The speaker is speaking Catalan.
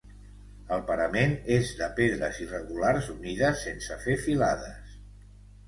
El parament és de pedres irregulars unides sense fer filades.